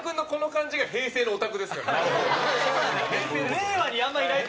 令和に、あんまいない。